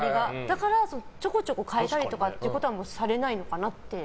だからちょこちょこ変えたりとかはされないのかなって。